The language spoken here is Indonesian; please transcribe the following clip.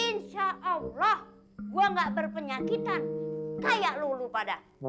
insya allah gue gak berpenyakitan kayak lulu pada